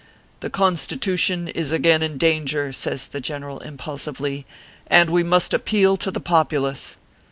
" The Constitution is again in danger," says the general, impulsively, " and we must appeal to the populace."